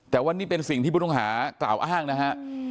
แต่ว่านี่เป็นสิ่งที่ผู้ต้องหากล่าวอ้างนะฮะ